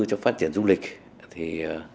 cho phát triển du lịch thì